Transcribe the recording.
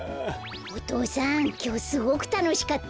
お父さんきょうすごくたのしかったよ。